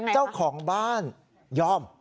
เจ้าของบ้านยอม